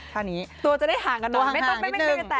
ตัวจะได้ห่างกันหน่อยไม่ต้องเป็นแปลกการ